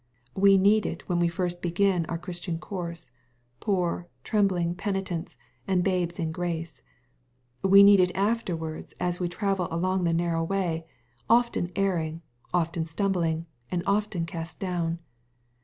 We need it when we first begin our Christian course, poor trembling peni tents, and babes in grace. We need it afterwards, as we travel along the narrow way, often erring, often stum bling, and often cast down.